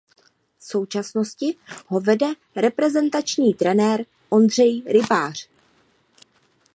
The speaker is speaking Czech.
V současnosti ho vede reprezentační trenér Ondřej Rybář.